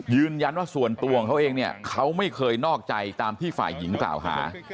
ยืนยันว่าส่วนตัวของเขาเองเนี่ยเขาไม่เคยนอกใจตามที่ฝ่ายหญิงกล่าวหา